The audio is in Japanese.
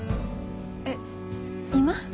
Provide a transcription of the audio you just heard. えっ今？